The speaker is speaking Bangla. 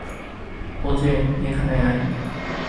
ওজে, এখানে আয়।